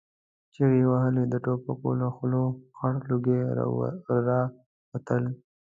چيغې يې وهلې، د ټوپکو له خولو خړ لوګي را وتل.